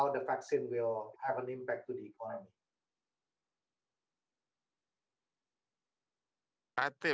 dan bagaimana vaksin akan berpengaruh